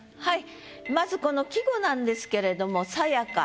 まずこの季語なんですけれども「さやか」。